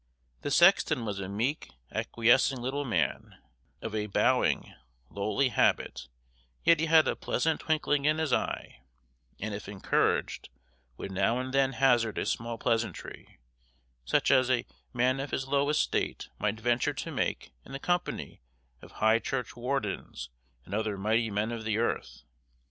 The sexton was a meek, acquiescing little man, of a bowing, lowly habit, yet he had a pleasant twinkling in his eye, and if encouraged, would now and then hazard a small pleasantry, such as a man of his low estate might venture to make in the company of high churchwardens and other mighty men of the earth.